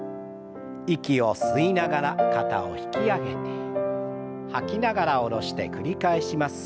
息を吸いながら肩を引き上げて吐きながら下ろして繰り返します。